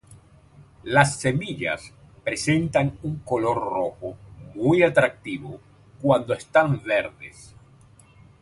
Las semillas presentan un color rojo muy atractivo cuando están verdes.